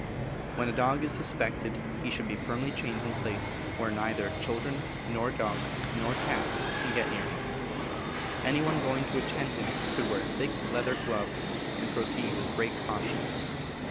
When a dog is suspected, he should he firmly chained in a place where neither children nor dogs nor cats can get near him. Any one going to attend him should wear thick leather gloves, and proceed with great caution.